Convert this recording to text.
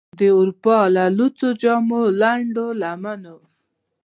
د اروپا له لوڅو جامو، لنډو لمنو،